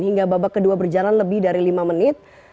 hingga babak kedua berjalan lebih dari lima menit